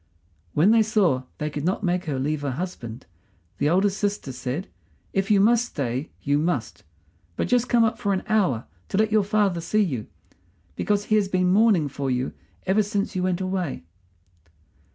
When they saw they could not make her leave her husband, the eldest sister said: "If you must stay, you must. But just come up for an hour, to let your father see you, because he has been mourning for you ever since you went away."